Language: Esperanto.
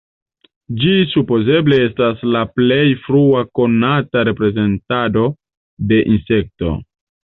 Ĝi supozeble estas la plej frua konata reprezentado de insekto.